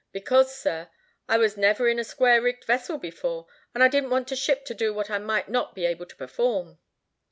"Because, sir, I was never in a square rigged vessel before, and I didn't want to ship to do what I might not be able to perform."